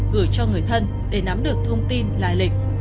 gửi cho người thân để nắm được thông tin lai lịch